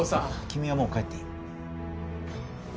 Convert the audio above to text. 君はもう帰っていい。